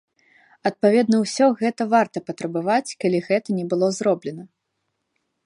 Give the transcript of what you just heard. Адпаведна ўсё гэта варта патрабаваць, калі гэта не было зроблена.